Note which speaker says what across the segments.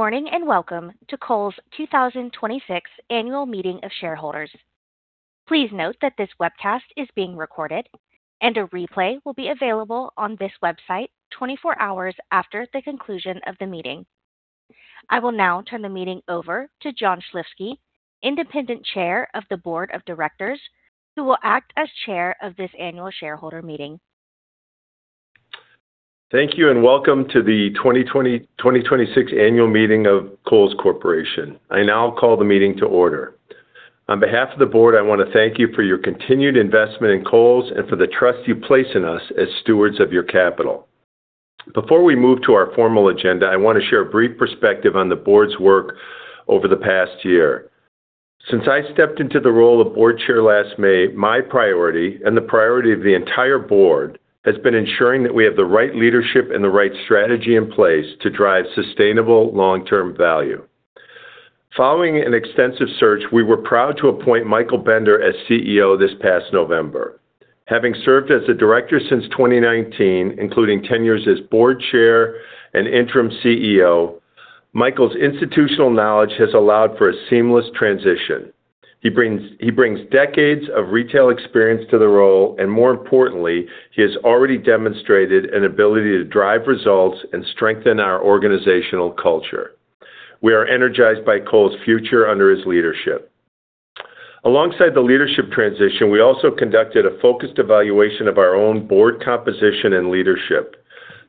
Speaker 1: Morning and welcome to Kohl's 2026 Annual Meeting of Shareholders. Please note that this webcast is being recorded, and a replay will be available on this website 24 hours after the conclusion of the meeting. I will now turn the meeting over to John Schlifske, Independent Chair of the Board of Directors, who will act as chair of this annual shareholder meeting.
Speaker 2: Thank you, welcome to the 2026 Annual Meeting of Kohl's Corporation. I now call the meeting to order. On behalf of the Board, I want to thank you for your continued investment in Kohl's and for the trust you place in us as stewards of your capital. Before we move to our formal agenda, I want to share a brief perspective on the board's work over the past year. Since I stepped into the role of Board Chair last May, my priority, and the priority of the entire Board, has been ensuring that we have the right leadership and the right strategy in place to drive sustainable long-term value. Following an extensive search, we were proud to appoint Michael Bender as CEO this past November. Having served as a director since 2019, including 10 years as Board Chair and Interim CEO, Michael's institutional knowledge has allowed for a seamless transition. He brings decades of retail experience to the role. More importantly, he has already demonstrated an ability to drive results and strengthen our organizational culture. We are energized by Kohl's future under his leadership. Alongside the leadership transition, we also conducted a focused evaluation of our own Board composition and leadership.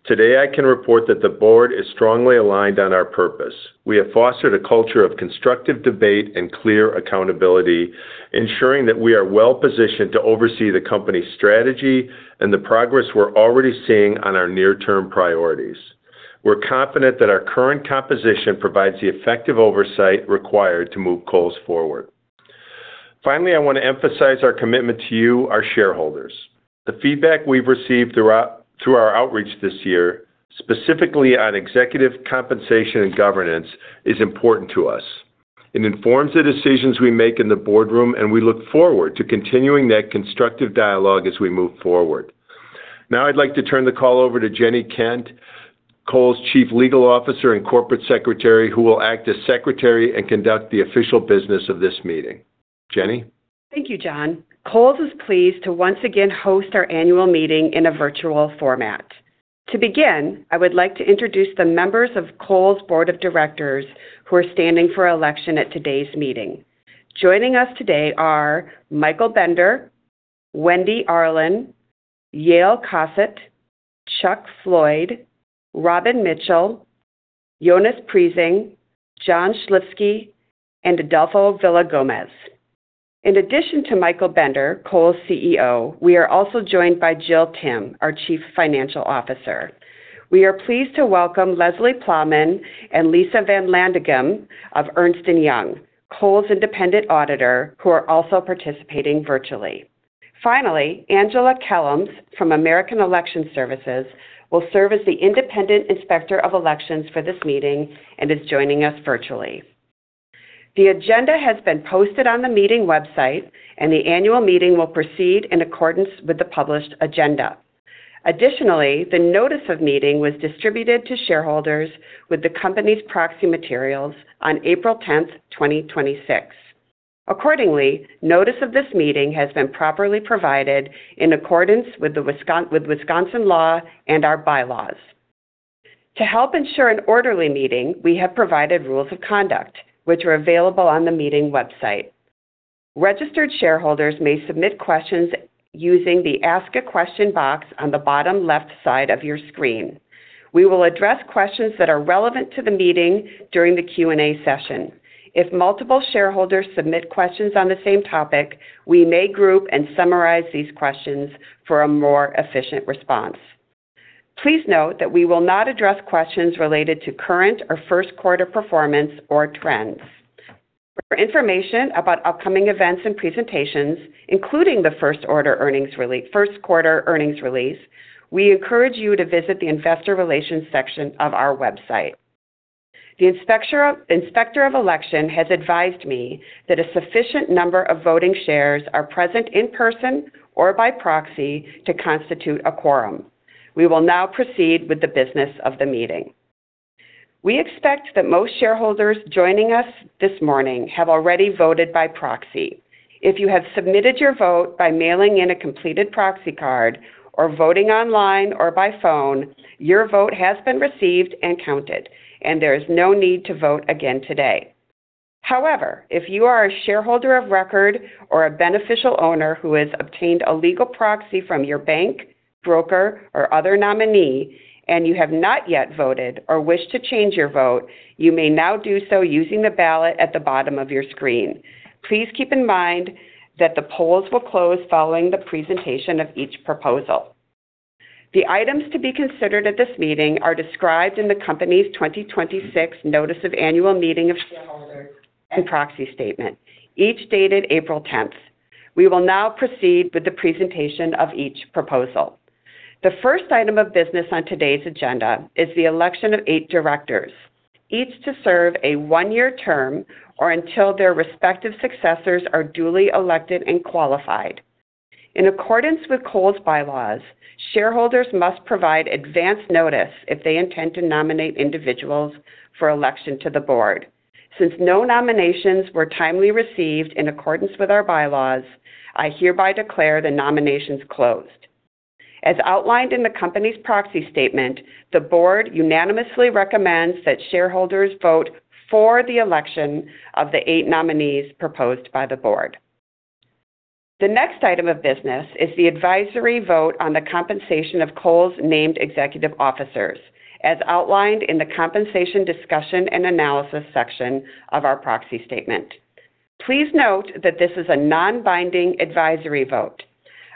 Speaker 2: Today, I can report that the Board is strongly aligned on our purpose. We have fostered a culture of constructive debate and clear accountability, ensuring that we are well-positioned to oversee the company's strategy and the progress we're already seeing on our near-term priorities. We're confident that our current composition provides the effective oversight required to move Kohl's forward. I want to emphasize our commitment to you, our shareholders. The feedback we've received through our outreach this year, specifically on executive compensation and governance, is important to us and informs the decisions we make in the Boardroom, and we look forward to continuing that constructive dialogue as we move forward. Now I'd like to turn the call over to Jennie Kent, Kohl's Chief Legal Officer and Corporate Secretary, who will act as Secretary and conduct the official business of this meeting. Jennie?
Speaker 3: Thank you, John. Kohl's is pleased to once again host our annual meeting in a virtual format. To begin, I would like to introduce the members of Kohl's Board of Directors who are standing for election at today's meeting. Joining us today are Michael Bender, Wendy Arlin, Yael Cosset, Chuck Floyd, Robbin Mitchell, Jonas Prising, John Schlifske, and Adolfo Villagomez. In addition to Michael Bender, Kohl's CEO, we are also joined by Jill Timm, our Chief Financial Officer. We are pleased to welcome Leslie Plamann and [Lisa van Landeghem] of Ernst & Young, Kohl's independent auditor, who are also participating virtually. Finally, Angela Kellems from American Election Services will serve as the Independent Inspector of Elections for this meeting and is joining us virtually. The agenda has been posted on the meeting website, and the annual meeting will proceed in accordance with the published agenda. Additionally, the notice of meeting was distributed to shareholders with the company's proxy materials on April 10th, 2026. Accordingly, notice of this meeting has been properly provided in accordance with Wisconsin law and our bylaws. To help ensure an orderly meeting, we have provided rules of conduct, which are available on the meeting website. Registered shareholders may submit questions using the Ask a Question box on the bottom left side of your screen. We will address questions that are relevant to the meeting during the Q&A session. If multiple shareholders submit questions on the same topic, we may group and summarize these questions for a more efficient response. Please note that we will not address questions related to current or first quarter performance or trends. For information about upcoming events and presentations, including the first quarter earnings release, we encourage you to visit the investor relations section of our website. The Inspector of Election has advised me that a sufficient number of voting shares are present in person or by proxy to constitute a quorum. We will now proceed with the business of the meeting. We expect that most shareholders joining us this morning have already voted by proxy. If you have submitted your vote by mailing in a completed proxy card or voting online or by phone, your vote has been received and counted, and there is no need to vote again today. However, if you are a shareholder of record or a beneficial owner who has obtained a legal proxy from your bank, broker, or other nominee, and you have not yet voted or wish to change your vote, you may now do so using the ballot at the bottom of your screen. Please keep in mind that the polls will close following the presentation of each proposal. The items to be considered at this meeting are described in the company's 2026 Notice of Annual Meeting of Shareholders and Proxy Statement, each dated April 10th. We will now proceed with the presentation of each proposal. The first item of business on today's agenda is the election of eight Directors, each to serve a one year term or until their respective successors are duly elected and qualified. In accordance with Kohl's bylaws, shareholders must provide advance notice if they intend to nominate individuals for election to the Board. Since no nominations were timely received in accordance with our bylaws, I hereby declare the nominations closed. As outlined in the company's proxy statement, the board unanimously recommends that shareholders vote for the election of the eight nominees proposed by the Board. The next item of business is the advisory vote on the compensation of Kohl's named executive officers, as outlined in the Compensation Discussion and Analysis section of our proxy statement. Please note that this is a non-binding advisory vote.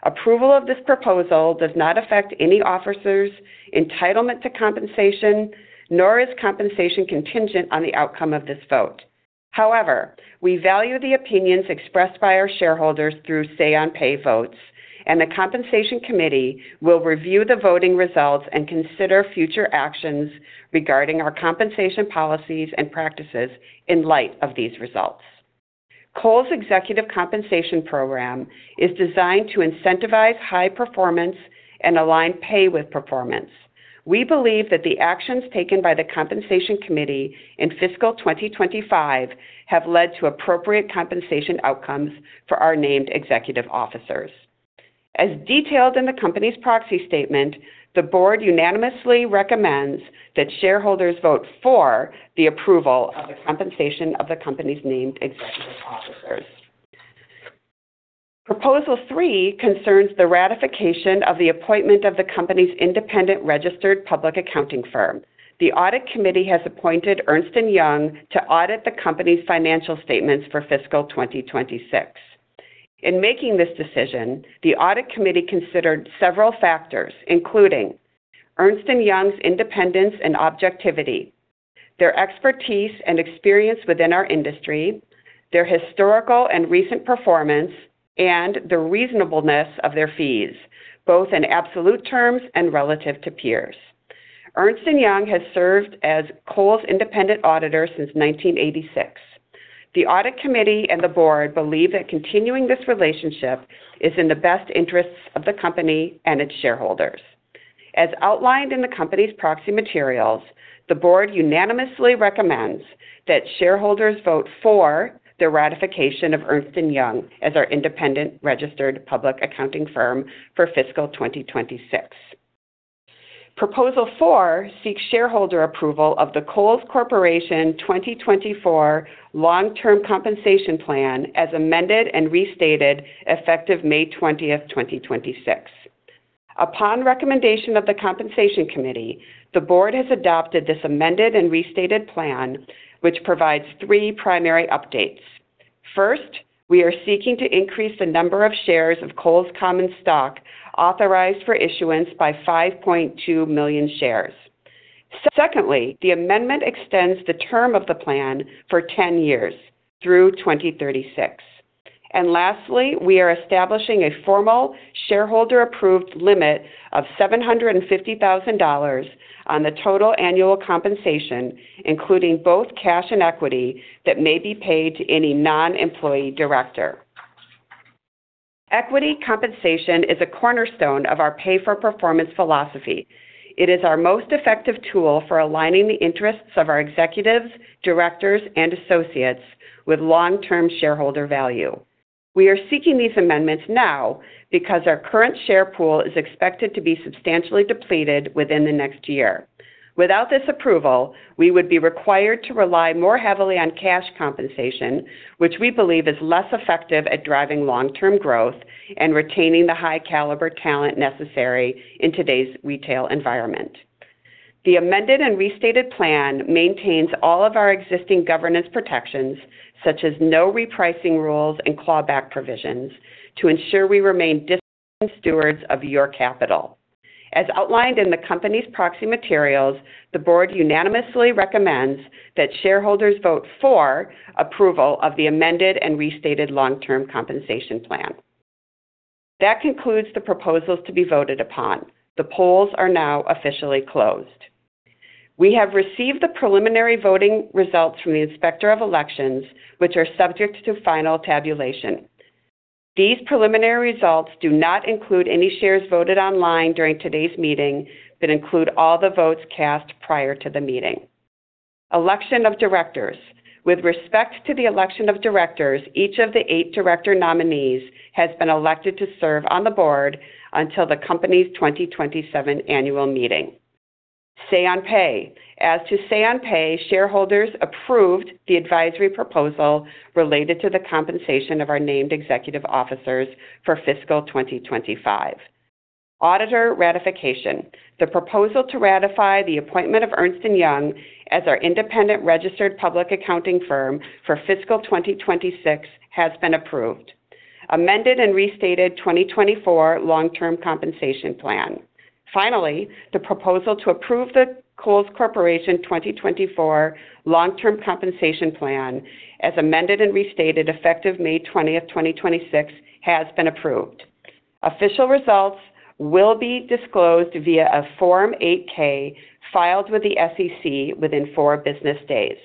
Speaker 3: Approval of this proposal does not affect any officer's entitlement to compensation, nor is compensation contingent on the outcome of this vote. However, we value the opinions expressed by our shareholders through say-on-pay votes, and the compensation committee will review the voting results and consider future actions regarding our compensation policies and practices in light of these results. Kohl's executive compensation program is designed to incentivize high performance and align pay with performance. We believe that the actions taken by the compensation committee in fiscal 2025 have led to appropriate compensation outcomes for our named executive officers. As detailed in the company's proxy statement, the Board unanimously recommends that shareholders vote for the approval of the compensation of the company's named executive officers. Proposal 3 concerns the ratification of the appointment of the company's independent registered public accounting firm. The audit committee has appointed Ernst & Young to audit the company's financial statements for fiscal 2026. In making this decision, the audit committee considered several factors, including Ernst & Young's independence and objectivity, their expertise and experience within our industry, their historical and recent performance, and the reasonableness of their fees, both in absolute terms and relative to peers. Ernst & Young has served as Kohl's independent auditor since 1986. The audit committee and the Board believe that continuing this relationship is in the best interests of the company and its shareholders. As outlined in the company's proxy materials, the Board unanimously recommends that shareholders vote for the ratification of Ernst & Young as our independent registered public accounting firm for fiscal 2026. Proposal 4 seeks shareholder approval of the Kohl's Corporation 2024 Long-Term Compensation Plan, as amended and restated effective May 20th, 2026. Upon recommendation of the Compensation Committee, the Board has adopted this amended and restated plan, which provides three primary updates. First, we are seeking to increase the number of shares of Kohl's common stock authorized for issuance by 5.2 million shares. Secondly, the amendment extends the term of the plan for 10 years through 2036. Lastly, we are establishing a formal shareholder-approved limit of $750,000 on the total annual compensation, including both cash and equity that may be paid to any non-employee director. Equity compensation is a cornerstone of our pay-for-performance philosophy. It is our most effective tool for aligning the interests of our executives, Directors, and associates with long-term shareholder value. We are seeking these amendments now because our current share pool is expected to be substantially depleted within the next year. Without this approval, we would be required to rely more heavily on cash compensation, which we believe is less effective at driving long-term growth and retaining the high-caliber talent necessary in today's retail environment. The amended and restated plan maintains all of our existing governance protections, such as no repricing rules and clawback provisions to ensure we remain disciplined stewards of your capital. As outlined in the company's proxy materials, the Board unanimously recommends that shareholders vote for approval of the amended and restated Long-Term Compensation Plan. That concludes the proposals to be voted upon. The polls are now officially closed. We have received the preliminary voting results from the Inspector of Elections, which are subject to final tabulation. These preliminary results do not include any shares voted online during today's meeting but include all the votes cast prior to the meeting. Election of Directors. With respect to the election of Directors, each of the eight Director nominees has been elected to serve on the Board until the company's 2027 Annual Meeting. Say-on-pay. As to say-on-pay, shareholders approved the advisory proposal related to the compensation of our named executive officers for fiscal 2025. Auditor ratification. The proposal to ratify the appointment of Ernst & Young as our independent registered public accounting firm for fiscal 2026 has been approved. Amended and restated 2024 Long-Term Compensation Plan. Finally, the proposal to approve the Kohl's Corporation 2024 Long-Term Compensation Plan, as amended and restated effective May 20th, 2026, has been approved. Official results will be disclosed via a Form 8-K filed with the SEC within four business days.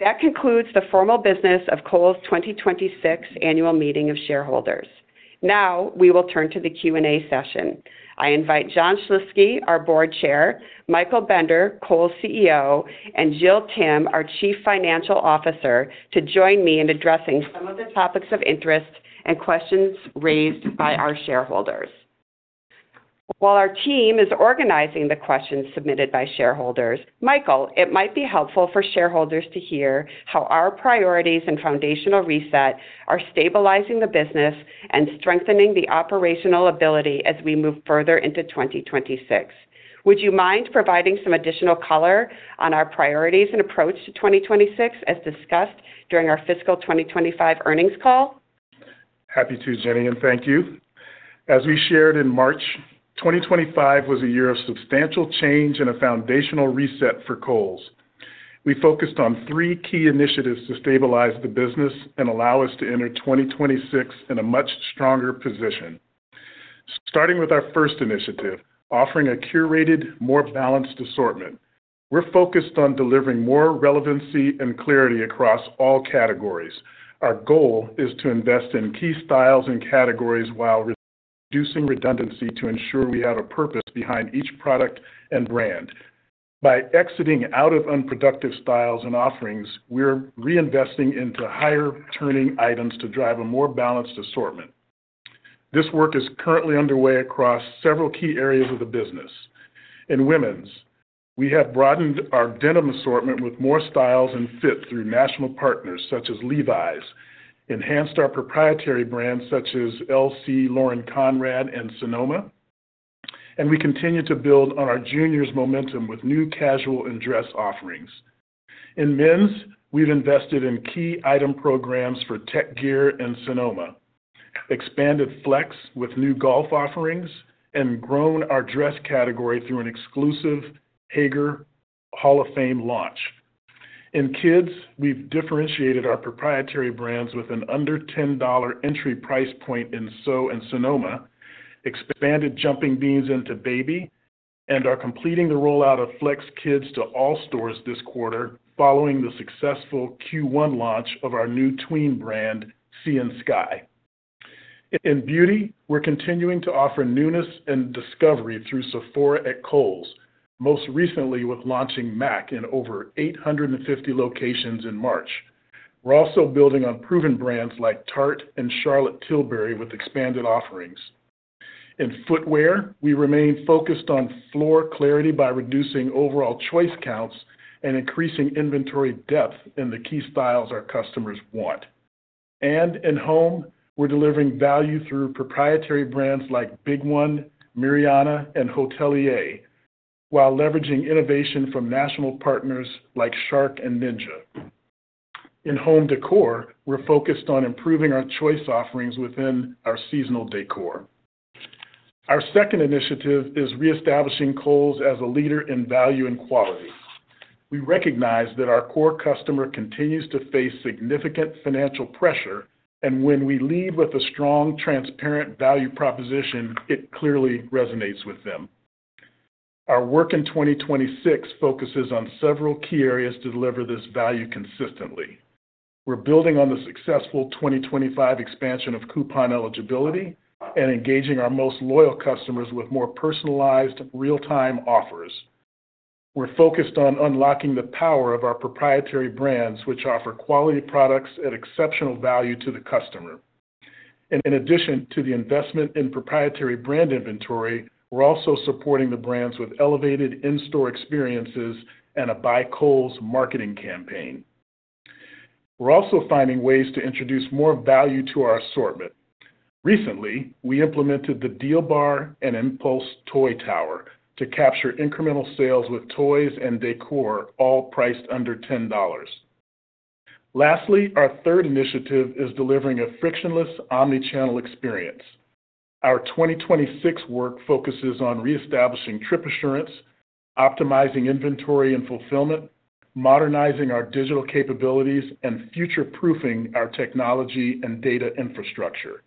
Speaker 3: That concludes the formal business of Kohl's 2026 Annual Meeting of Shareholders. Now, we will turn to the Q&A session. I invite John Schlifske, our Board Chair, Michael Bender, Kohl's CEO, and Jill Timm, our Chief Financial Officer, to join me in addressing some of the topics of interest and questions raised by our shareholders. While our team is organizing the questions submitted by shareholders, Michael, it might be helpful for shareholders to hear how our priorities and foundational reset are stabilizing the business and strengthening the operational ability as we move further into 2026. Would you mind providing some additional color on our priorities and approach to 2026, as discussed during our fiscal 2025 earnings call?
Speaker 4: Happy to, Jennie, thank you. As we shared in March 2025 was a year of substantial change and a foundational reset for Kohl's. We focused on three key initiatives to stabilize the business and allow us to enter 2026 in a much stronger position. Starting with our first initiative, offering a curated, more balanced assortment. We're focused on delivering more relevancy and clarity across all categories. Our goal is to invest in key styles and categories while reducing redundancy to ensure we have a purpose behind each product and brand. By exiting out of unproductive styles and offerings, we're reinvesting into higher turning items to drive a more balanced assortment. This work is currently underway across several key areas of the business. In women's, we have broadened our denim assortment with more styles and fit through national partners such as Levi's, enhanced our proprietary brands such as LC Lauren Conrad and Sonoma, we continue to build on our juniors momentum with new casual and dress offerings. In men's, we've invested in key item programs for Tek Gear and Sonoma, expanded FLX with new golf offerings, and grown our dress category through an exclusive Haggar Hall of Fame launch. In kids, we've differentiated our proprietary brands with an under $10 entry price point in SO and Sonoma, expanded Jumping Beans into Baby, and are completing the rollout of FLX Kids to all stores this quarter, following the successful Q1 launch of our new tween brand, Sea + Skye. In beauty, we're continuing to offer newness and discovery through Sephora at Kohl's, most recently with launching MAC in over 850 locations in March. We're also building on proven brands like Tarte and Charlotte Tilbury with expanded offerings. In footwear, we remain focused on floor clarity by reducing overall choice counts and increasing inventory depth in the key styles our customers want. In home, we're delivering value through proprietary brands like The Big One, Miryana, and Hotelier, while leveraging innovation from national partners like Shark and Ninja. In home decor, we're focused on improving our choice offerings within our seasonal decor. Our second initiative is reestablishing Kohl's as a leader in value and quality. We recognize that our core customer continues to face significant financial pressure, and when we lead with a strong, transparent value proposition, it clearly resonates with them. Our work in 2026 focuses on several key areas to deliver this value consistently. We're building on the successful 2025 expansion of coupon eligibility and engaging our most loyal customers with more personalized real-time offers. We're focused on unlocking the power of our proprietary brands, which offer quality products at exceptional value to the customer. In addition to the investment in proprietary brand inventory, we're also supporting the brands with elevated in-store experiences and a By Kohl's marketing campaign. We're also finding ways to introduce more value to our assortment. Recently, we implemented the Deal Bar and Impulse Toy Tower to capture incremental sales with toys and decor, all priced under $10. Our third initiative is delivering a frictionless omni-channel experience. Our 2026 work focuses on reestablishing trip assurance, optimizing inventory and fulfillment, modernizing our digital capabilities, and future-proofing our technology and data infrastructure.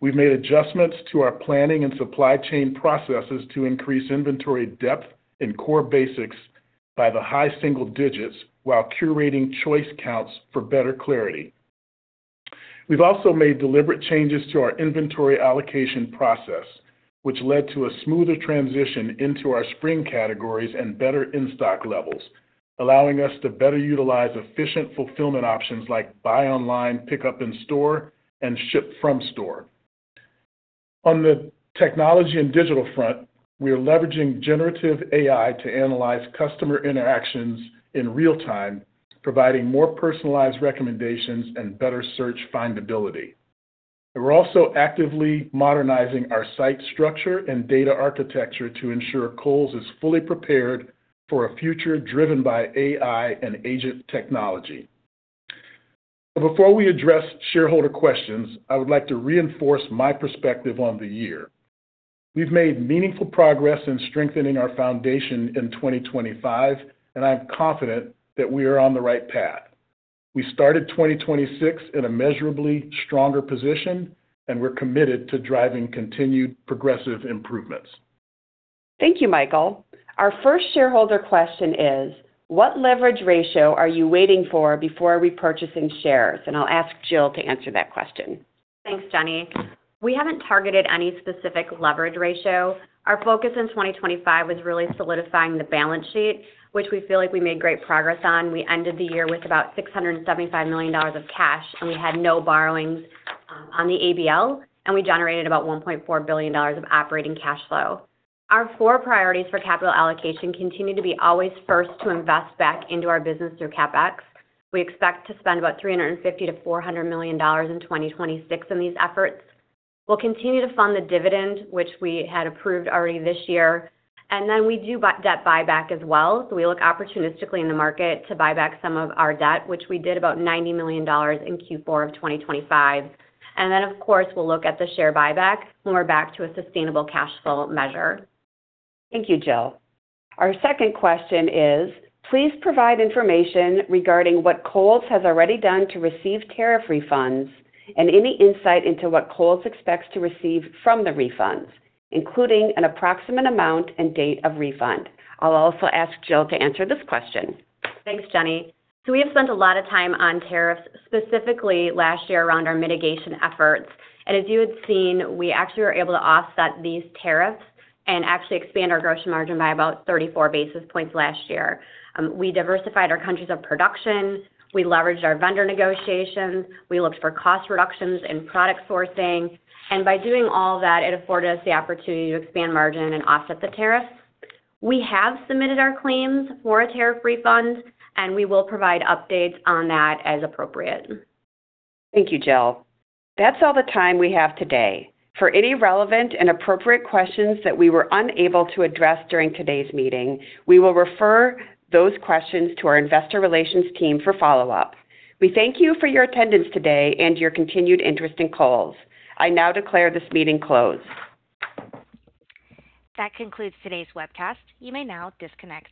Speaker 4: We've made adjustments to our planning and supply chain processes to increase inventory depth in core basics by the high single digits while curating choice counts for better clarity. We've also made deliberate changes to our inventory allocation process, which led to a smoother transition into our spring categories and better in-stock levels, allowing us to better utilize efficient fulfillment options like buy online, pickup in store, and ship from store. On the technology and digital front, we are leveraging generative AI to analyze customer interactions in real time, providing more personalized recommendations and better search findability. We're also actively modernizing our site structure and data architecture to ensure Kohl's is fully prepared for a future driven by AI and agent technology. Before we address shareholder questions, I would like to reinforce my perspective on the year. We've made meaningful progress in strengthening our foundation in 2025, and I'm confident that we are on the right path. We started 2026 in a measurably stronger position, and we're committed to driving continued progressive improvements.
Speaker 3: Thank you, Michael. Our first shareholder question is, what leverage ratio are you waiting for before repurchasing shares? I'll ask Jill to answer that question.
Speaker 5: Thanks, Jennie. We haven't targeted any specific leverage ratio. Our focus in 2025 was really solidifying the balance sheet, which we feel like we made great progress on. We ended the year with about $675 million of cash. We had no borrowings on the ABL, and we generated about $1.4 billion of operating cash flow. Our four priorities for capital allocation continue to be always first to invest back into our business through CapEx. We expect to spend about $350 million-$400 million in 2026 on these efforts. We'll continue to fund the dividend, which we had approved already this year. Then we do debt buyback as well. We look opportunistically in the market to buy back some of our debt, which we did about $90 million in Q4 of 2025. Of course, we'll look at the share buyback when we're back to a sustainable cash flow measure.
Speaker 3: Thank you, Jill. Our second question is, please provide information regarding what Kohl's has already done to receive tariff refunds and any insight into what Kohl's expects to receive from the refunds, including an approximate amount and date of refund. I'll also ask Jill to answer this question.
Speaker 5: Thanks, Jennie. We have spent a lot of time on tariffs, specifically last year around our mitigation efforts. As you had seen, we actually were able to offset these tariffs and actually expand our gross margin by about 34 basis points last year. We diversified our countries of production. We leveraged our vendor negotiations. We looked for cost reductions in product sourcing. By doing all that, it afforded us the opportunity to expand margin and offset the tariffs. We have submitted our claims for a tariff refund, and we will provide updates on that as appropriate.
Speaker 3: Thank you, Jill. That's all the time we have today. For any relevant and appropriate questions that we were unable to address during today's meeting, we will refer those questions to our investor relations team for follow-up. We thank you for your attendance today and your continued interest in Kohl's. I now declare this meeting closed.
Speaker 1: That concludes today's webcast. You may now disconnect.